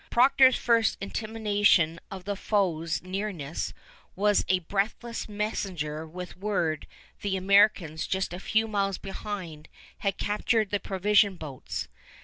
Procter's first intimation of the foe's nearness was a breathless messenger with word the Americans just a few miles behind had captured the provision boats.